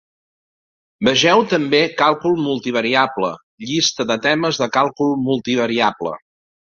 "Vegeu també càlcul multivariable, llista de temes de càlcul multivariable".